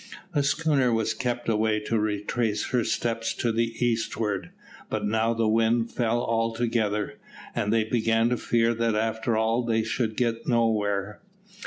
The schooner was kept away to retrace her steps to the eastward. But now the wind fell altogether, and they began to fear that after all they should get nowhere.